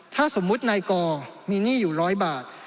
ถ้าสมมุตินายกอมีหนี้อยู่๑๐๐บาท